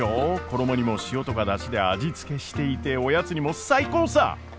衣にも塩とか出汁で味付けしていておやつにも最高さ！